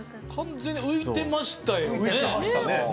完全に浮いてましたよね。